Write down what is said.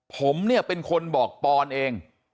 ผมเนี่ยเป็นคนบอกปอนเอง